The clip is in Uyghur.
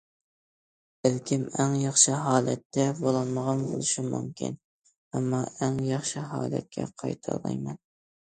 بەلكىم ئەڭ ياخشى ھالەتتە بولالمىغان بولۇشۇم مۇمكىن، ئەمما ئەڭ ياخشى ھالەتكە قايتالايمەن.